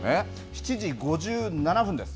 ７時５７分です。